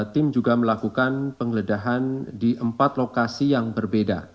tim juga melakukan penggeledahan di empat lokasi yang berbeda